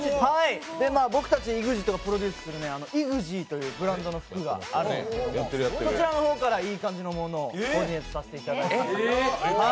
僕たちＥＸＩＴがプロデュースするＥＸＩＥＥＥというブランド、こちらの方からいい感じのものをコーディネートさせていただきました。